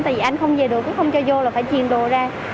tại vì anh không về được chứ không cho vô là phải truyền đồ ra